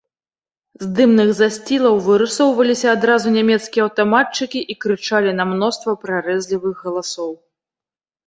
З дымных засцілаў вырысоўваліся адразу нямецкія аўтаматчыкі і крычалі на мноства прарэзлівых галасоў.